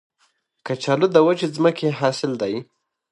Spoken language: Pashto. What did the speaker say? کچالو د وچې ځمکې حاصل دی